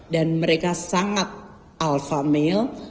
dan mereka sangat alpha male